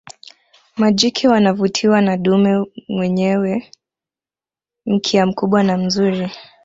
Majike wanavutiwa na dume mwenyewe mkia mkubwa na mzuri